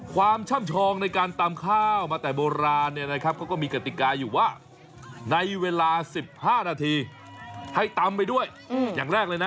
ความช่ำชองในการตำข้าวมาแต่โบราณเนี่ยนะครับเขาก็มีกติกาอยู่ว่าในเวลา๑๕นาทีให้ตำไปด้วยอย่างแรกเลยนะ